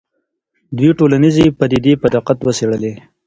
دوی ټولنیزې پدیدې په دقت وڅېړلې.